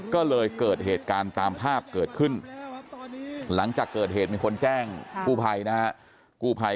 ก็เลยเกิดเหตุการณ์ตามภาพเกิดขึ้นหลังจากเกิดเหตุถามแอบพ่อผู้ไพร